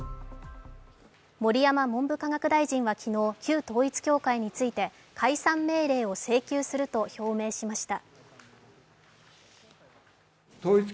盛山文部科学大臣は昨日、旧統一教会について解散命令を請求すると表明しました。